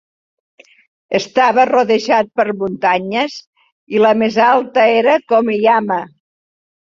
Estava rodejat per muntanyes i la més alta era Komeyama.